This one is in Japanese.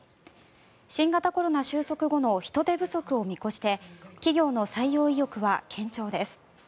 新型コロナ収束後の人手不足を見越して企業の採用意欲は堅調です。